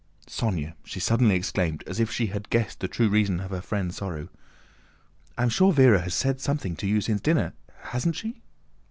"Sónya," she suddenly exclaimed, as if she had guessed the true reason of her friend's sorrow, "I'm sure Véra has said something to you since dinner? Hasn't she?"